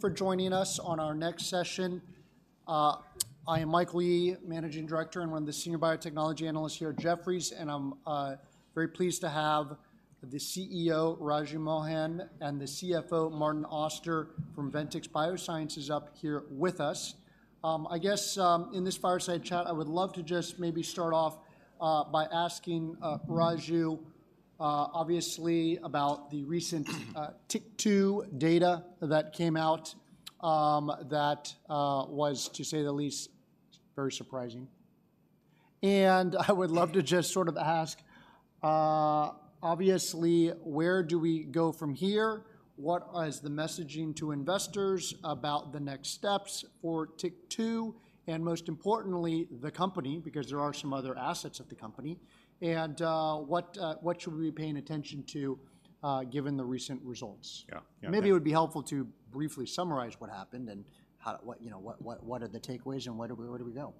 For joining us on our next session. I am Mike Yee, Managing Director and one of the Senior Biotechnology Analysts here at Jefferies, and I'm very pleased to have the CEO, Raju Mohan, and the CFO, Martin Auster, from Ventyx Biosciences up here with us. I guess, in this fireside chat, I would love to just maybe start off by asking, Raju, obviously about the recent TYK2 data that came out, that was, to say the least, very surprising. And I would love to just sort of ask, obviously, where do we go from here? What is the messaging to investors about the next steps for TYK2 and, most importantly, the company, because there are some other assets of the company, and what should we be paying attention to, given the recent results? Yeah. Yeah- Maybe it would be helpful to briefly summarize what happened and how, you know, what are the takeaways and where do we go?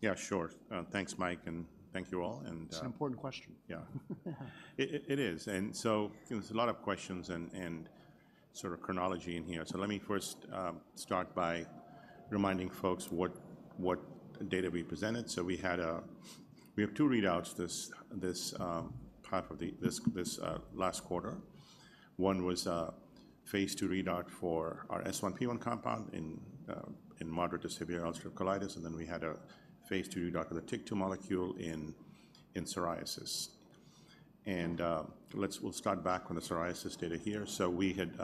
Yeah, sure. Thanks, Mike, and thank you all, and- It's an important question. Yeah. It is. And so there's a lot of questions and sort of chronology in here. So let me first start by reminding folks what data we presented. So we have two readouts this part of the last quarter. One was a phase II readout for our S1P1 compound in moderate to severe ulcerative colitis, and then we had a phase II readout for the TYK2 molecule in psoriasis. And we'll start back on the psoriasis data here. So we had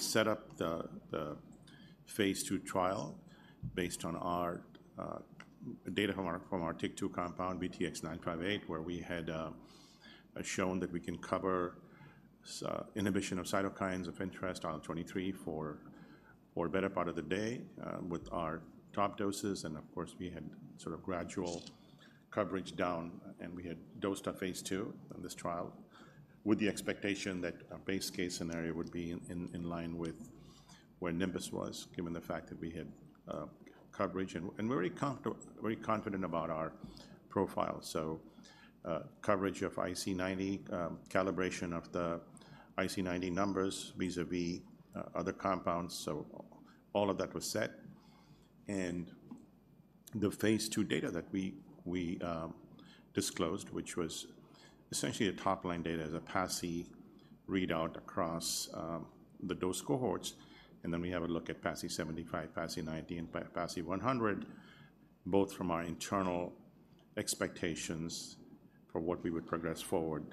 set up the phase II trial based on our data from our TYK2 compound, VTX-958, where we had shown that we can cover inhibition of cytokines of interest on IL-23 for better part of the day with our top doses. And of course, we had sort of gradual coverage down, and we had dosed a phase II in this trial with the expectation that a base case scenario would be in line with where Nimbus was, given the fact that we had coverage. And we're very confident about our profile. So, coverage of IC90, calibration of the IC90 numbers vis-à-vis other compounds, so all of that was set. The phase II data that we disclosed, which was essentially top-line data as a PASI readout across the dose cohorts, and then we have a look at PASI 75, PASI 90, and PASI 100, both from our internal expectations for what we would progress forward,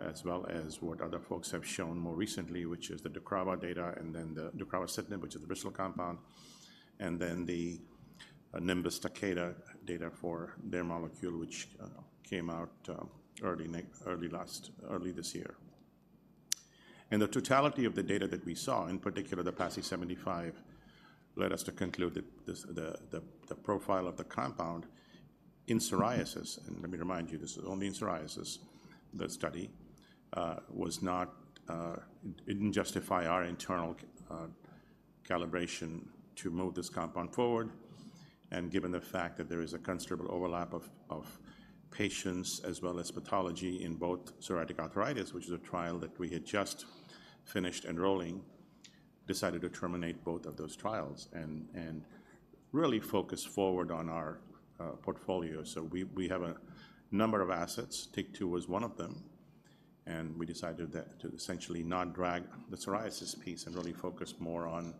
as well as what other folks have shown more recently, which is the deucravacitinib data and then the deucravacitinib, which is the Bristol compound, and then the Nimbus Takeda data for their molecule, which came out early this year. The totality of the data that we saw, in particular, the PASI 75, led us to conclude that this, the profile of the compound in psoriasis, and let me remind you, this is only in psoriasis, the study didn't justify our internal calibration to move this compound forward. Given the fact that there is a considerable overlap of patients, as well as pathology in both psoriatic arthritis, which is a trial that we had just finished enrolling, decided to terminate both of those trials and really focus forward on our portfolio. We have a number of assets. TYK2 was one of them, and we decided that to essentially not drag the psoriasis piece and really focus more on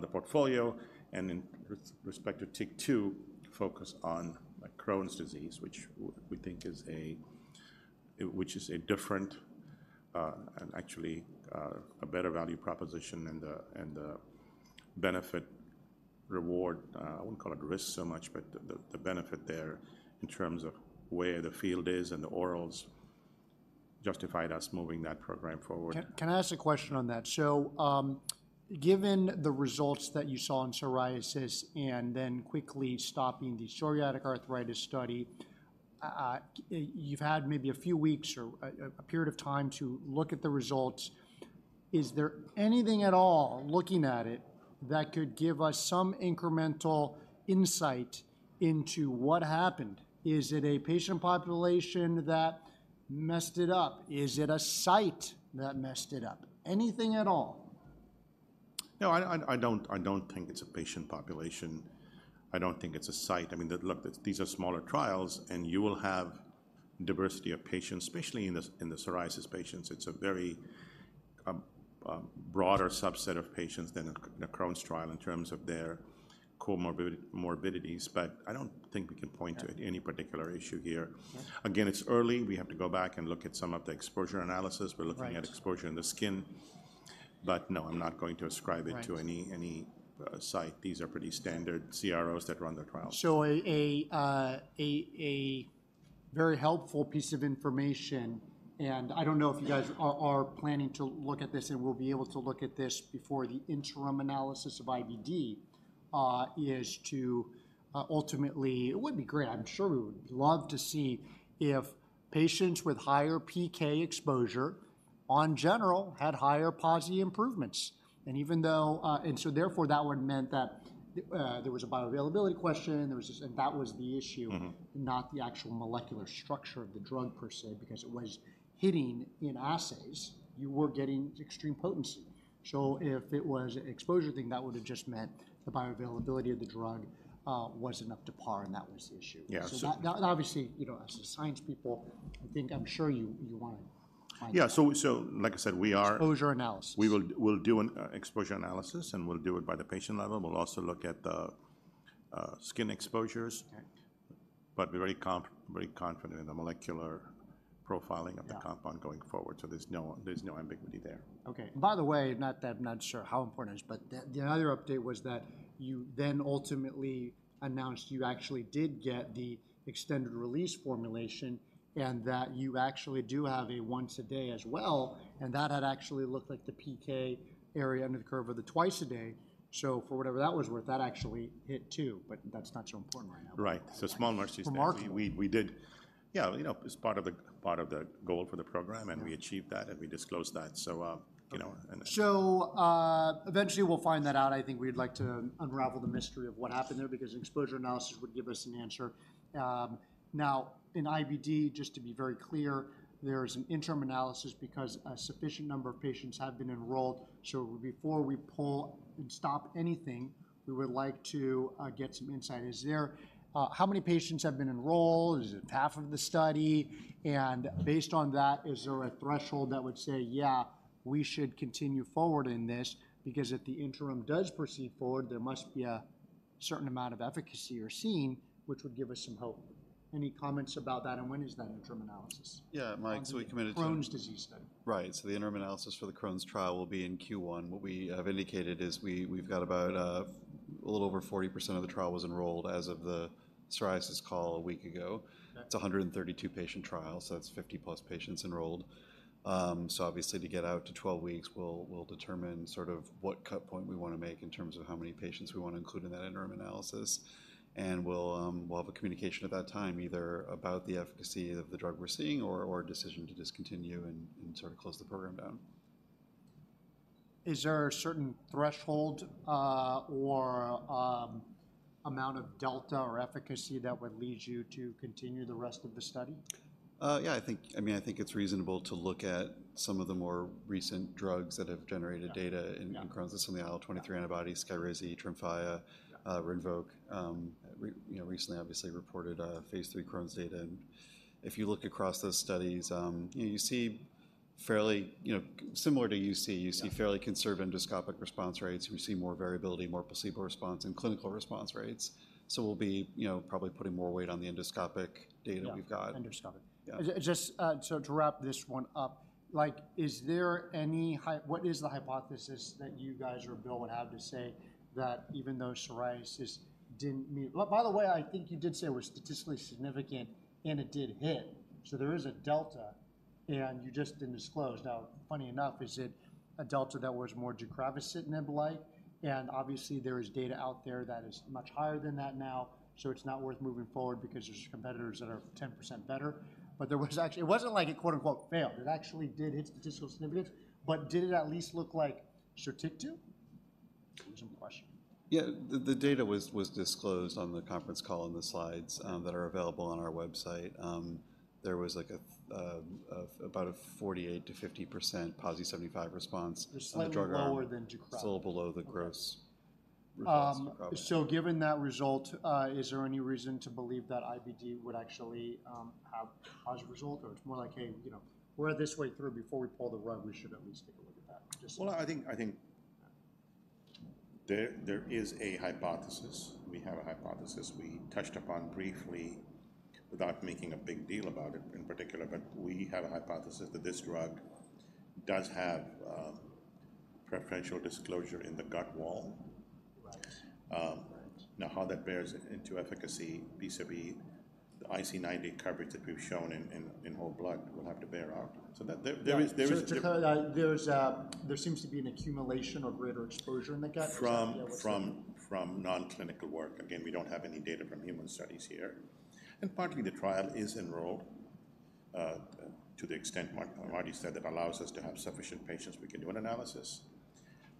the portfolio and in respective TYK2, focus on Crohn's disease, which we think is a, which is a different, and actually, a better value proposition and the benefit reward, I wouldn't call it risk so much, but the benefit there in terms of where the field is and the orals justified us moving that program forward. Can I ask a question on that? So, given the results that you saw in psoriasis and then quickly stopping the psoriatic arthritis study, you've had maybe a few weeks or a period of time to look at the results. Is there anything at all, looking at it, that could give us some incremental insight into what happened? Is it a patient population that messed it up? Is it a site that messed it up? Anything at all? No, I don't think it's a patient population. I don't think it's a site. I mean, look, these are smaller trials, and you will have diversity of patients, especially in the psoriasis patients. It's a very broader subset of patients than a Crohn's trial in terms of their comorbidities, but I don't think we can point to- Okay... any particular issue here. Okay. Again, it's early. We have to go back and look at some of the exposure analysis. Right. We're looking at exposure in the skin, but no, I'm not going to ascribe it- Right... to any site. These are pretty standard CROs that run the trials. So a very helpful piece of information, and I don't know if you guys are planning to look at this, and we'll be able to look at this before the interim analysis of IBD, is to ultimately, it would be great. I'm sure we would love to see if patients with higher PK exposure, in general, had higher PASI improvements. And even though, and so therefore, that would've meant that there was a bioavailability question. There was this and that was the issue. Mm-hmm... not the actual molecular structure of the drug per se, because it was hitting in assays, you were getting extreme potency. So if it was an exposure thing, that would've just meant the bioavailability of the drug wasn't up to par, and that was the issue. Yeah, so- Now, obviously, you know, as the science people, I think I'm sure you wanna find- Yeah. So, like I said, we are- Exposure analysis. We will, we'll do an exposure analysis, and we'll do it by the patient level. We'll also look at the skin exposures. Okay. But we're very confident in the molecular profiling of the- Yeah... compound going forward, so there's no ambiguity there. Okay. By the way, not that I'm not sure how important it is, but the other update was that you then ultimately announced you actually did get the extended release formulation and that you actually do have a once a day as well, and that had actually looked like the PK area under the curve of the twice a day. So for whatever that was worth, that actually hit two, but that's not so important right now. Right. So small mercies there. Remarkable. We did. Yeah, you know, it's part of the goal for the program, and we- Yeah... achieved that, and we disclosed that, so, you know, and- So, eventually we'll find that out. I think we'd like to unravel the mystery of what happened there because an exposure analysis would give us an answer. Now, in IBD, just to be very clear, there is an interim analysis because a sufficient number of patients have been enrolled. So before we pull and stop anything, we would like to get some insight. Is there how many patients have been enrolled? Is it half of the study? And based on that, is there a threshold that would say, "Yeah, we should continue forward in this," because if the interim does proceed forward, there must be a certain amount of efficacy you're seeing, which would give us some hope. Any comments about that, and when is that interim analysis? Yeah, Mike, so we committed to- Crohn's disease study. Right. So the interim analysis for the Crohn's trial will be in Q1. What we have indicated is we, we've got about, a little over 40% of the trial was enrolled as of the psoriasis call a week ago. Okay. It's a 132-patient trial, so that's 50+ patients enrolled. So obviously, to get out to 12 weeks, we'll, we'll determine sort of what cut point we wanna make in terms of how many patients we wanna include in that interim analysis. And we'll, we'll have a communication at that time, either about the efficacy of the drug we're seeing or, or a decision to discontinue and, and sort of close the program down. Is there a certain threshold or amount of delta or efficacy that would lead you to continue the rest of the study? Yeah, I think... I mean, I think it's reasonable to look at some of the more recent drugs that have generated data- Yeah ...in Crohn's, and some of the IL-23 antibodies, Skyrizi, Tremfya, Rinvoq, you know, recently obviously reported phase III Crohn's data. And if you look across those studies, you know, you see fairly, you know, similar to UC- Yeah... you see fairly conserved endoscopic response rates. We see more variability, more placebo response, and clinical response rates. So we'll be, you know, probably putting more weight on the endoscopic data we've got. Yeah, endoscopic. Yeah. Just, so to wrap this one up, like, what is the hypothesis that you guys or Bill would have to say that even though psoriasis didn't meet... By the way, I think you did say it was statistically significant, and it did hit. So there is a delta, and you just didn't disclose. Now, funny enough, is it a delta that was more JAK inhibitor-like? And obviously, there is data out there that is much higher than that now, so it's not worth moving forward because there's competitors that are 10% better. But there was actually-- it wasn't like it, quote-unquote, "failed." It actually did hit statistical significance, but did it at least look like Sotyktu? Original question. Yeah. The data was disclosed on the conference call on the slides that are available on our website. There was like about a 48%-50% PASI 75 response in the drug arm. Just slightly lower than Jacobra. Still below the gross response, probably. So given that result, is there any reason to believe that IBD would actually have positive result? Or it's more like, "Hey, you know, we're this way through. Before we pull the rug, we should at least take a look at that," just- Well, I think there is a hypothesis. We have a hypothesis we touched upon briefly without making a big deal about it in particular, but we have a hypothesis that this drug does have preferential disclosure in the gut wall. Right. Um- Right. Now, how that bears into efficacy, vis-à-vis, the IC90 coverage that we've shown in whole blood, will have to bear out. So that, there is- So because there seems to be an accumulation or greater exposure in the gut from- From- Yeah, let's say.... from non-clinical work. Again, we don't have any data from human studies here, and partly the trial is enrolled to the extent Mark, Marty said, that allows us to have sufficient patients. We can do an analysis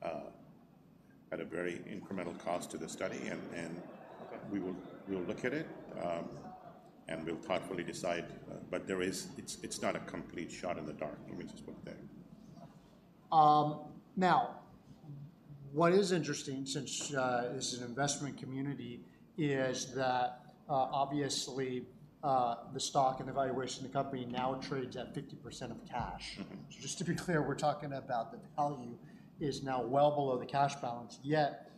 at a very incremental cost to the study, and we will, we'll look at it, and we'll thoughtfully decide. But there is. It's not a complete shot in the dark, let me just put it there. Now, what is interesting, since this is an investment community, is that, obviously, the stock and the valuation of the company now trades at 50% of cash. Mm-hmm. Just to be clear, we're talking about the value is now well below the cash balance, yet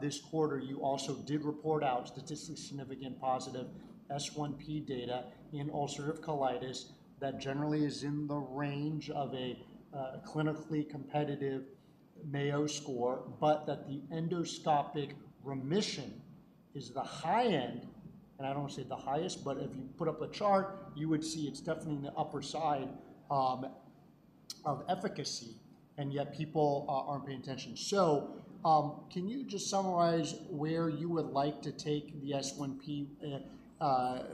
this quarter, you also did report out statistically significant positive S1P data in ulcerative colitis. That generally is in the range of a clinically competitive Mayo Score, but that the endoscopic remission is the high end, and I don't want to say the highest, but if you put up a chart, you would see it's definitely in the upper side of efficacy, and yet people aren't paying attention. So, can you just summarize where you would like to take the S1P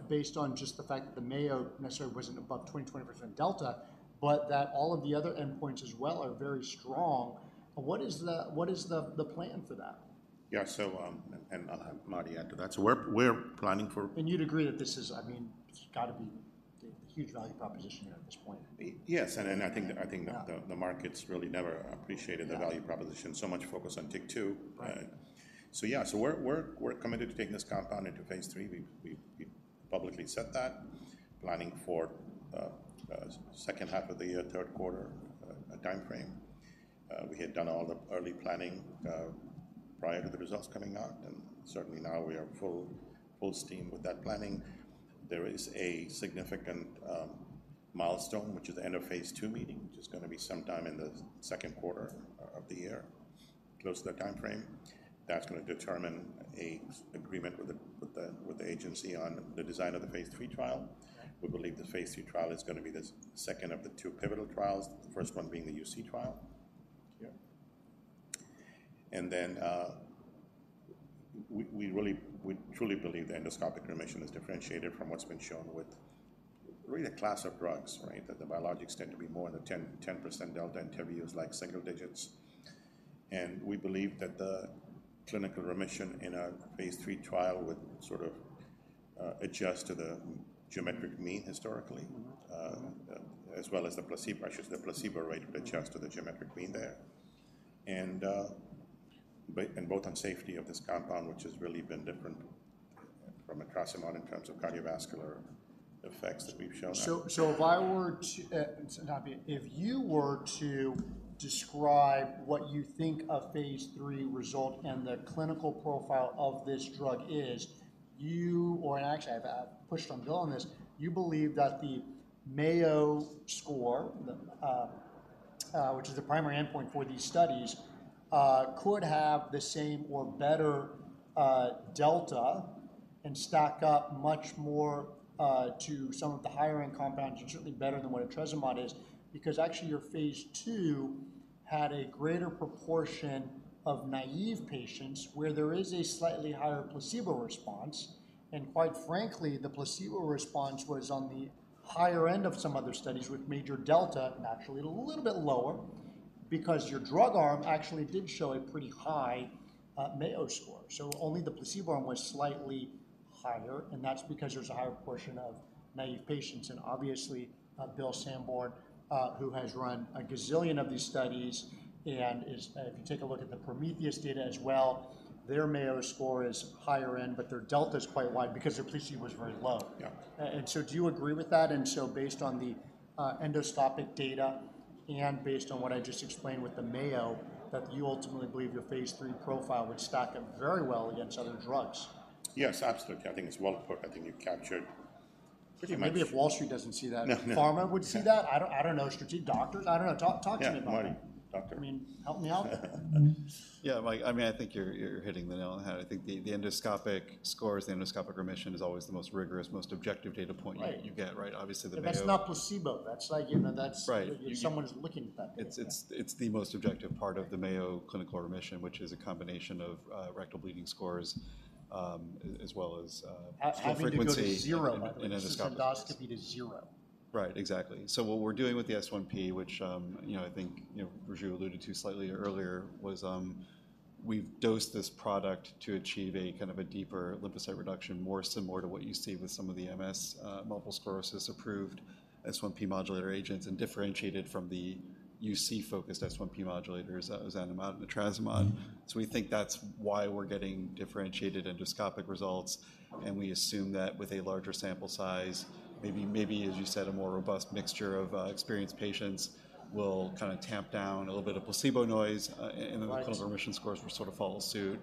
based on just the fact that the Mayo necessarily wasn't above 20-20% delta, but that all of the other endpoints as well are very strong? What is the plan for that?... Yeah, so, and I'll have Marty add to that. So we're planning for- You'd agree that this is, I mean, it's got to be a huge value proposition here at this point. Yes, and then I think the market's really never appreciated- Yeah the value proposition, so much focus on TYK2. Right. So, yeah, so we're committed to taking this compound into phase III. We've publicly said that, planning for a second half of the year, third quarter time frame. We had done all the early planning prior to the results coming out, and certainly now we are full steam with that planning. There is a significant milestone, which is the end of phase II meeting, which is gonna be sometime in the second quarter of the year, close to that time frame. That's gonna determine an agreement with the agency on the design of the phase III trial. We believe the phase III trial is gonna be the second of the two pivotal trials, the first one being the UC trial. We truly believe the Endoscopic Remission is differentiated from what's been shown with really a class of drugs, right? That the biologics tend to be more in the 10-10% delta intervals, like single digits. And we believe that the clinical remission in a phase III trial would sort of adjust to the geometric mean historically- Mm-hmm, mm-hmm... as well as the placebo, actually the placebo rate adjusts to the geometric mean there. And both on safety of this compound, which has really been different from etrasimod in terms of cardiovascular effects that we've shown. So if I were to, and Santosh, if you were to describe what you think a phase III result and the clinical profile of this drug is, you or and actually, I've pushed on Bill on this, you believe that the Mayo Score, the, which is the primary endpoint for these studies, could have the same or better, delta, and stack up much more, to some of the higher-end compounds and certainly better than what etrasimod is. Because actually, your phase II had a greater proportion of naive patients, where there is a slightly higher placebo response, and quite frankly, the placebo response was on the higher end of some other studies with major delta, naturally a little bit lower because your drug arm actually did show a pretty high, Mayo Score. So only the placebo arm was slightly higher, and that's because there's a higher proportion of naive patients. Obviously, Bill Sandborn, who has run a gazillion of these studies and is, if you take a look at the Prometheus data as well, their Mayo Score is higher end, but their delta is quite wide because their placebo was very low. Yeah. And so do you agree with that? And so based on the endoscopic data and based on what I just explained with the Mayo, that you ultimately believe your phase III profile would stack up very well against other drugs? Yes, absolutely. I think it's well put. I think you captured pretty much- Maybe if Wall Street doesn't see that- No. Pharma would see that? I don't, I don't know, strategic— doctors, I don't know. Talk, talk to me about it. Yeah, Marty, doctor. I mean, help me out. Mm-hmm. Yeah, like, I mean, I think you're, you're hitting the nail on the head. I think the, the endoscopic scores, the endoscopic remission is always the most rigorous, most objective data point. Right... you get, right? Obviously, the Mayo- But that's not placebo. That's like, you know, that's- Right, you-... someone's looking at that. It's the most objective part of the Mayo Clinical Remission, which is a combination of rectal bleeding scores, as well as frequency- Having to go to zero, by the way. And endoscopy. This endoscopy to zero. Right. Exactly. So what we're doing with the S1P, which, you know, I think, you know, Raju alluded to slightly earlier, was, we've dosed this product to achieve a kind of a deeper lymphocyte reduction, more similar to what you see with some of the MS, multiple sclerosis approved S1P modulator agents, and differentiated from the UC-focused S1P modulators, ozanimod and etrasimod. Mm-hmm. So we think that's why we're getting differentiated endoscopic results, and we assume that with a larger sample size, maybe, maybe as you said, a more robust mixture of experienced patients will kind of tamp down a little bit of placebo noise. Right... and then the clinical remission scores will sort of follow suit.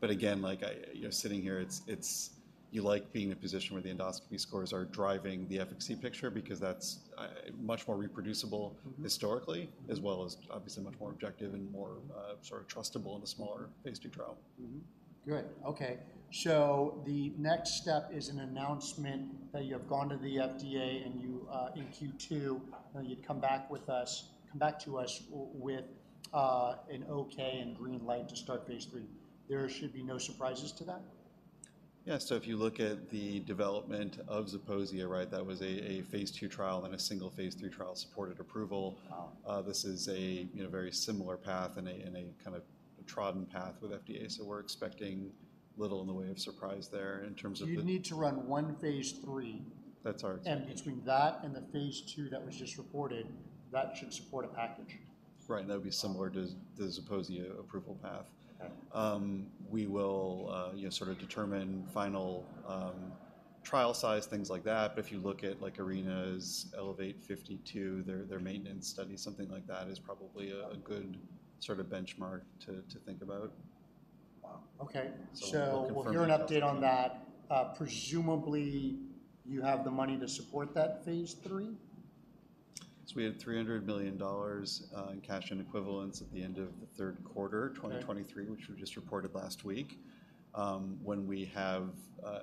But again, like I, you know, sitting here, it's. You like being in a position where the endoscopy scores are driving the efficacy picture because that's much more reproducible- Mm-hmm... historically, as well as obviously much more objective and more, sort of trustable in a smaller phase II trial. Mm-hmm. Good. Okay. So the next step is an announcement that you have gone to the FDA, and you, in Q2, you'd come back to us with an okay and green light to start phase III. There should be no surprises to that? Yeah. So if you look at the development of Zeposia, right, that was a phase II trial and a single phase III trial-supported approval. Wow! This is a, you know, very similar path and a kind of trodden path with FDA. So we're expecting little in the way of surprise there in terms of the- You need to run one phase III. That's our- Between that and the phase II that was just reported, that should support a package. Right, and that would be similar to the Zeposia approval path. Okay. We will, you know, sort of determine final trial size, things like that. But if you look at like Arena's ELEVATE-52, their maintenance study, something like that is probably a good sort of benchmark to think about. Wow! Okay. We'll confirm with- We'll hear an update on that. Presumably, you have the money to support that phase III? We had $300 million in cash and equivalents at the end of the third quarter- Okay... 2023, which we just reported last week. When we have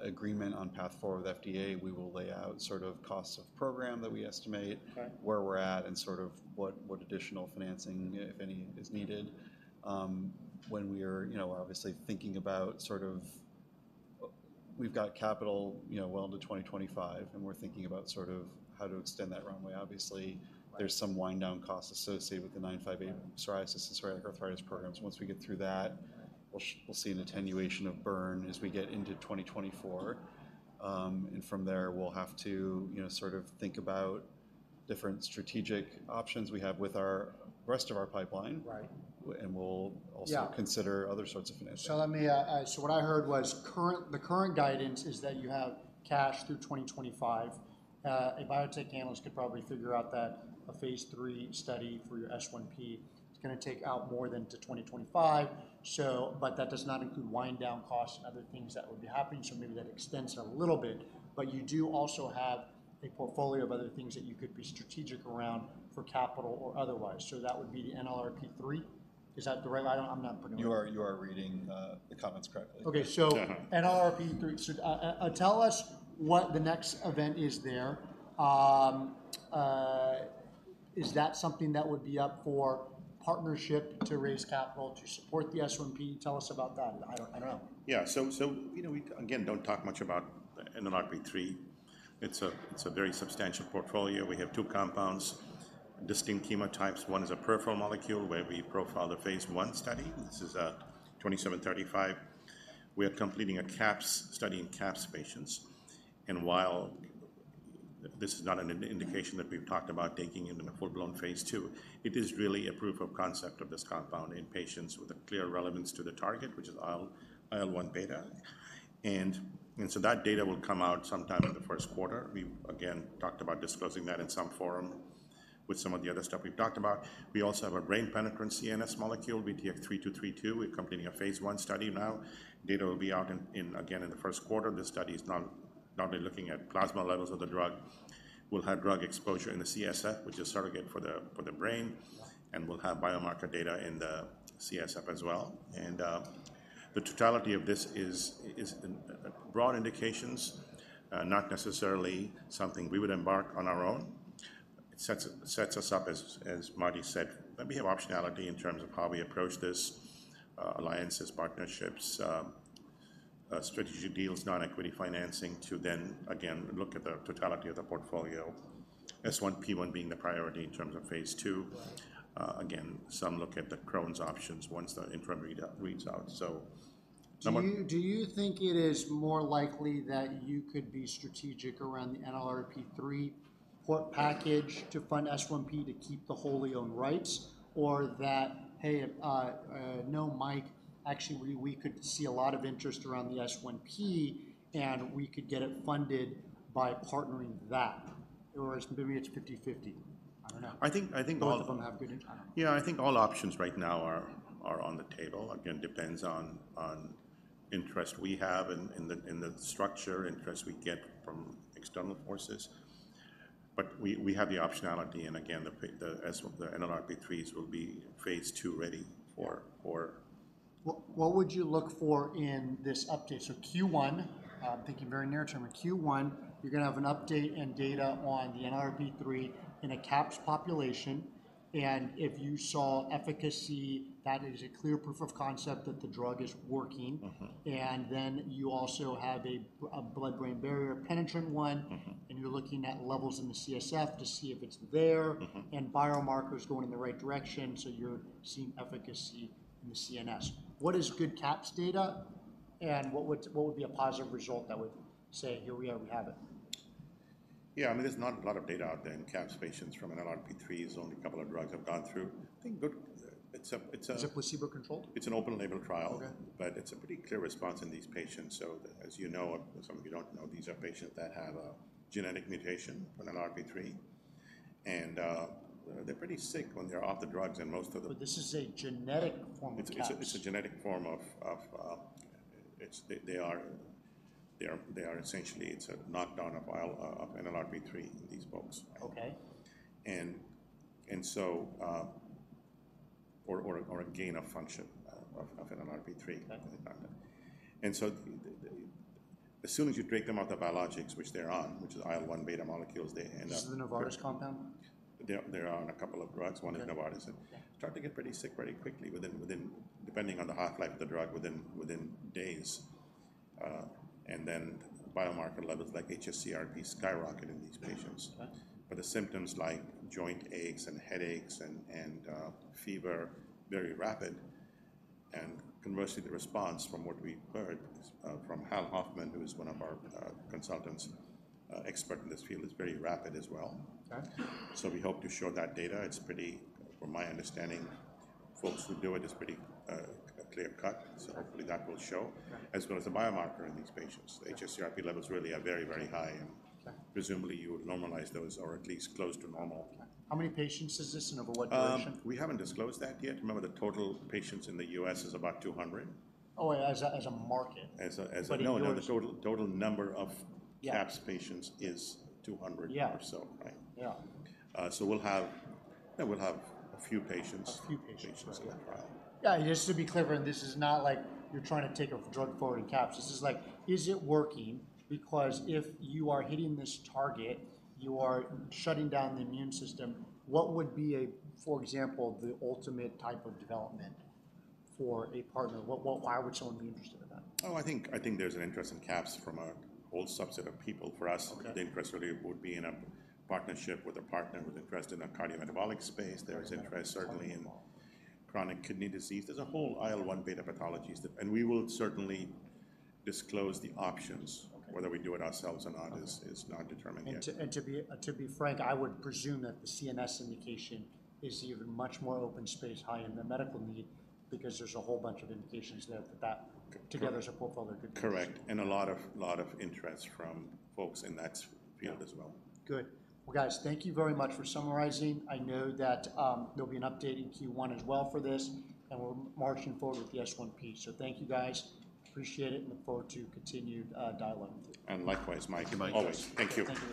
agreement on path forward with FDA, we will lay out sort of costs of program that we estimate- Okay... where we're at, and sort of what additional financing, if any, is needed. When we are, you know, obviously thinking about sort of, we've got capital, you know, well into 2025, and we're thinking about sort of how to extend that runway. Obviously... Right. There's some wind-down costs associated with the VTX958 psoriasis and psoriatic arthritis programs. Once we get through that, we'll see an attenuation of burn as we get into 2024. From there, we'll have to, you know, sort of think about different strategic options we have with the rest of our pipeline. Right. and we'll also- Yeah consider other sorts of financing. So let me. So what I heard was the current guidance is that you have cash through 2025. A biotech analyst could probably figure out that a phase III study for your S1P is gonna take out more than to 2025, so, but that does not include wind-down costs and other things that would be happening, so maybe that extends it a little bit. But you do also have a portfolio of other things that you could be strategic around for capital or otherwise. So that would be the NLRP3. Is that right? I'm not familiar. You are reading the comments correctly. Okay, so- Yeah. NLRP3. So, tell us what the next event is there. Is that something that would be up for partnership to raise capital to support the S1P? Tell us about that. I don't know. Yeah. So, you know, we again don't talk much about NLRP3. It's a very substantial portfolio. We have two compounds, distinct chemotypes. One is a peripheral molecule where we profile the phase I study. This is VTX2735. We are completing a CAPS study in CAPS patients, and while this is not an indication that we've talked about taking it in a full-blown phase II, it is really a proof of concept of this compound in patients with a clear relevance to the target, which is IL-1 beta. And so that data will come out sometime in the first quarter. We again talked about disclosing that in some forum with some of the other stuff we've talked about. We also have a brain-penetrant CNS molecule, VTX3232. We're completing a phase I study now. Data will be out in the first quarter. This study is not only looking at plasma levels of the drug. We'll have drug exposure in the CSF, which is surrogate for the brain- Yeah... and we'll have biomarker data in the CSF as well. And, the totality of this is broad indications, not necessarily something we would embark on our own. It sets us up as, as Marty said, that we have optionality in terms of how we approach this. Alliances, partnerships, strategic deals, non-equity financing to then again look at the totality of the portfolio, S1P1 being the priority in terms of phase II. Right. Again, some look at the Crohn's options once the interim reads out. So someone- Do you think it is more likely that you could be strategic around the NLRP3 port package to fund S1P to keep the wholly owned rights, or that, hey, no, Mike, actually, we could see a lot of interest around the S1P, and we could get it funded by partnering that? Or is maybe it's 50/50. I don't know. I think all- Both of them have good and I don't know. Yeah, I think all options right now are on the table. Again, depends on interest we have in the structure, interest we get from external forces. But we have the optionality, and again, the NLRP3s will be phase II-ready for... What, what would you look for in this update? Q1, thinking very near term, in Q1, you're gonna have an update and data on the NLRP3 in a CAPS population, and if you saw efficacy, that is a clear proof of concept that the drug is working. Mm-hmm. And then you also have a blood-brain barrier-penetrant one. Mm-hmm. You're looking at levels in the CSF to see if it's there- Mm-hmm... and biomarkers going in the right direction, so you're seeing efficacy in the CNS. What is good CAPS data, and what would be a positive result that would say, "Here we are, we have it? Yeah, I mean, there's not a lot of data out there in CAPS patients from NLRP3. There's only a couple of drugs have gone through. I think good, it's a- Is it placebo-controlled? It's an open label trial. Okay. But it's a pretty clear response in these patients. So as you know, some of you don't know, these are patients that have a genetic mutation from NLRP3, and they're pretty sick when they're off the drugs, and most of them- But this is a genetic form of CAPS. It's a genetic form of IL. They are essentially a knock down of NLRP3 in these folks. Okay. or a gain of function of NLRP3. Okay. And so as soon as you take them off the biologics, which they're on, which is IL-1 beta molecules, they end up- This is the Novartis compound? They're on a couple of drugs- Okay... one is Novartis, and start to get pretty sick pretty quickly within, depending on the half-life of the drug, within days. And then biomarker levels like hsCRP skyrocket in these patients. Okay. But the symptoms like joint aches and headaches and fever, very rapid. And conversely, the response from what we heard from Hal Hoffman, who is one of our consultants, expert in this field, is very rapid as well. Okay. So we hope to show that data. It's pretty... From my understanding, folks who do it, it's pretty, clear-cut, so hopefully, that will show. Right. As well as the biomarker in these patients. Yeah. hsCRP levels really are very, very high, and Okay... presumably, you would normalize those, or at least close to normal. Okay. How many patients is this and over what duration? We haven't disclosed that yet. Remember, the total patients in the U.S. is about 200. Oh, as a market? As a, as a- But if you- No, the total, total number of- Yeah... CAPS patients is 200- Yeah... or so, right? Yeah. So we'll have, yeah, we'll have a few patients. A few patients. Patients in that trial. Yeah, just to be clear, and this is not like you're trying to take a drug forward in CAPS. This is like, is it working? Because if you are hitting this target, you are shutting down the immune system. What would be a, for example, the ultimate type of development for a partner? What, what, why would someone be interested in that? Oh, I think, I think there's an interest in CAPS from a whole subset of people. For us- Okay... the interest really would be in a partnership with a partner who's interested in cardiometabolic space. Okay. There is interest certainly in chronic kidney disease. There's a whole IL-1 beta pathologies, and we will certainly disclose the options. Okay. Whether we do it ourselves or not is- Okay... is not determined yet. To be frank, I would presume that the CNS indication is even much more open space high in the medical need because there's a whole bunch of indications there that... C- ... together as a portfolio could be- Correct, and a lot of interest from folks in that field as well. Good. Well, guys, thank you very much for summarizing. I know that there'll be an update in Q1 as well for this, and we're marching forward with the S1P. So thank you, guys. Appreciate it, and look forward to continued dialogue with you. Likewise, Mike. Thank you, Mike. Always. Thank you.